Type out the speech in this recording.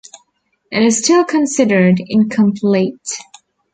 It is still considered incomplete.